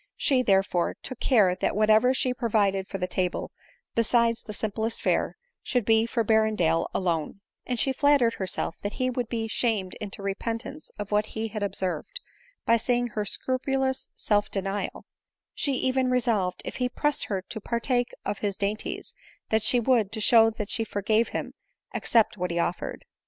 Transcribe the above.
She, therefore, took care that whatever she provided for the table, besides the simplest fare, should be for Berren dale alone ; and she flattered herself that he would be shamed into repentance of what he had observed, by seeing her scrupulous self denial ; she even resolved, if he pressed her to partake of his dainties, that she would, to show that she forgave him, accept what he offered.